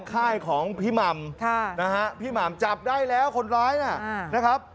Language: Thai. ค่ายของพี่หม่ำนะฮะพี่หม่ำจับได้แล้วคนร้ายนะครับ